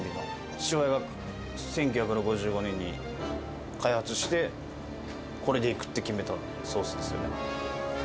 父親が１９６５年に開発して、これでいくって決めたソースです。